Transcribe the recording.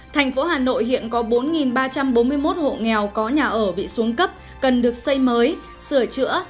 thành phố hà nội hiện có bốn ba trăm bốn mươi một hộ nghèo có nhà ở bị xuống cấp cần được xây mới sửa chữa